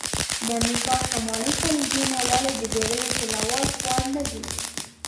د امریکا شمالي خلیجونه ولې د بېړیو چلول وړ نه دي؟